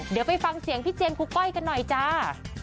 เดี๋ยวไปฟังเสียงพี่เจมสกูก้อยกันหน่อยจ้า